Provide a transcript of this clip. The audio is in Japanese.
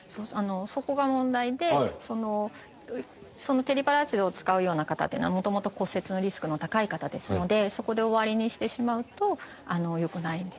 そこが問題でテリパラチドを使うような方というのはもともと骨折のリスクの高い方ですのでそこで終わりにしてしまうとよくないんですよね。